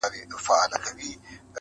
د قاتل لوري ته دوې سترگي نیولي٫